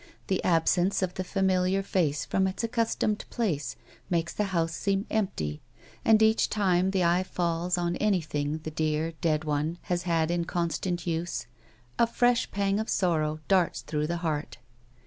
The absence of the familiar face from its accvistomed place makes the house seem empty, and each time the eye falls on anything the dear, dead one has had in constant use, a fresh pang of sorrow darts through the heart.